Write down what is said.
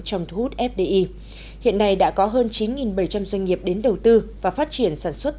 trong thu hút fdi hiện nay đã có hơn chín bảy trăm linh doanh nghiệp đến đầu tư và phát triển sản xuất